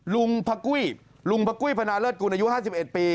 ลุงพระกุ้ยลุงพระกุ้ยพนาเลิศกุลอายุ๕๑ปี